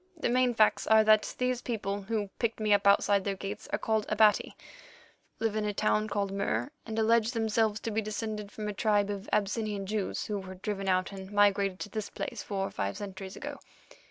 The main facts are that these people who picked me up outside their gates are called Abati, live in a town called Mur, and allege themselves to be descended from a tribe of Abyssinian Jews who were driven out and migrated to this place four or five centuries ago.